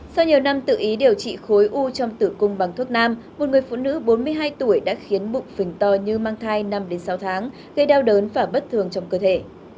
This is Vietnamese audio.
sau nhiều năm tự ý điều trị khối u trong tử cung bằng thuốc nam một người phụ nữ bốn mươi hai tuổi đã khiến bụng phình to như mang thai năm sáu tháng gây đau đớn và bất thường trong cơ thể